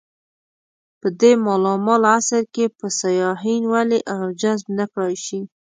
په دې مالامال عصر کې به سیاحین ولې راجذب نه کړای شي.